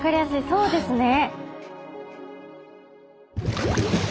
そうですね。